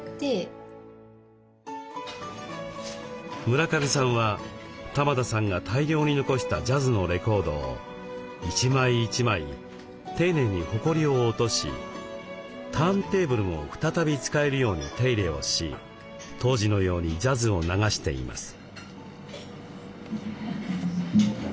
村上さんは玉田さんが大量に残したジャズのレコードを一枚一枚丁寧にほこりを落としターンテーブルも再び使えるように手入れをし当時のようにジャズを流しています。